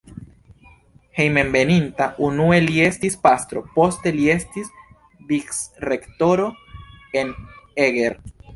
Hejmenveninta unue li estis pastro, poste li estis vicrektoro en Eger.